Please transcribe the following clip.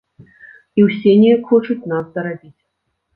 І ўсе неяк хочуць нас дарабіць.